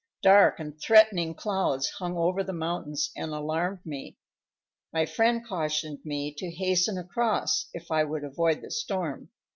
Dark and threatening clouds hung over the mountains and alarmed me. My friend cautioned me to hasten across, if I would avoid the storm.